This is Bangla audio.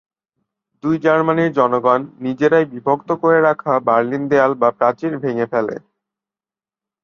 দুই জার্মানির জনগণ নিজেরাই বিভক্ত করে রাখা বার্লিন দেয়াল বা প্রাচীর ভেঙে ফেলে।